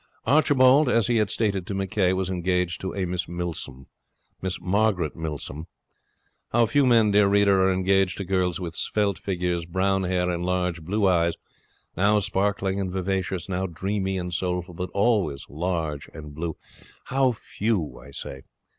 Archibald, as he had stated to McCay, was engaged to a Miss Milsom Miss Margaret Milsom. How few men, dear reader, are engaged to girls with svelte figures, brown hair, and large blue eyes, now sparkling and vivacious, now dreamy and soulful, but always large and blue! How few, I say.